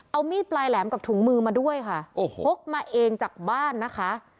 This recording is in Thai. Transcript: เอามีดปลายแหลมกับถุงมือมาด้วยค่ะโอ้โหพกมาเองจากบ้านนะคะ